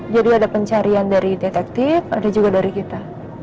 jadi ada pencarian dari detektif ada juga dari kita